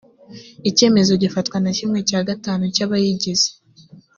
icyemezo gifatwa na kimwe cya gatatu cy’abayigize